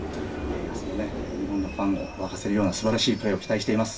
明日も日本のファンを沸かせるような素晴らしいプレーを期待しています。